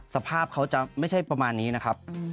สภาพเขาจะไม่ใช่ประมาณนี้นะครับ